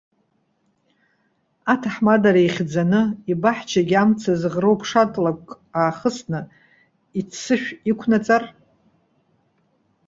Аҭаҳмадара ихьӡаны, ибаҳчагьы амца зыӷроу ԥшатлакәк аахысны, иццышә иқәнаҵар!